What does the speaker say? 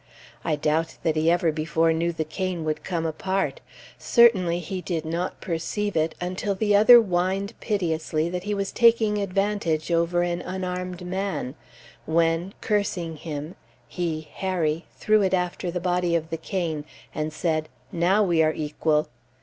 I doubt that he ever before knew the cane could come apart. Certainly he did not perceive it, until the other whined piteously he was taking advantage over an unarmed man; when, cursing him, he (Harry) threw it after the body of the cane, and said, "Now we are equal."